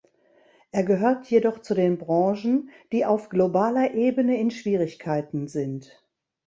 Er gehört jedoch zu den Branchen, die auf globaler Ebene in Schwierigkeiten sind.